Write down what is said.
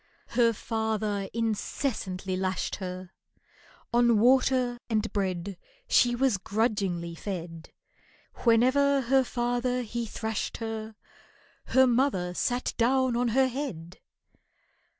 Her father incessantly lashed her, On water and bread She was grudgingly fed; Whenever her father he thrashed her Her mother sat down on her head.